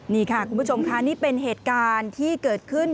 นี่ค่ะคุณผู้ชมค่ะนี่เป็นเหตุการณ์ที่เกิดขึ้น